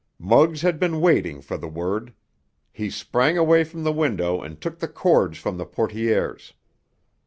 Muggs had been waiting for the word. He sprang away from the window and took the cords from the portières.